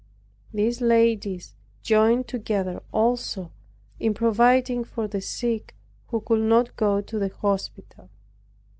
These ladies joined together also in providing for the sick who could not go to the hospital.